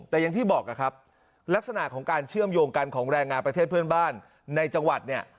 แต่อย่างที่บอกนะครับลักษณะของการเชื่อมโยงกันของแรงงานประเทศเพื่อนบ้านในจังหวัดเนี่ย